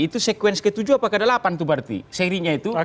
itu sekuensi ke tujuh atau ke delapan tuh berarti serinya itu